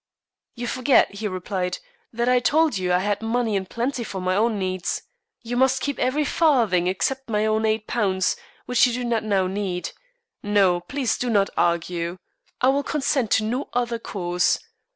"You forget," he replied, "that I told you I had money in plenty for my own needs. You must keep every farthing except my own £8, which you do not now need. No. Please do not argue. I will consent to no other course.